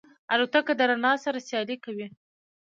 الوتکه د رڼا سره سیالي کوي.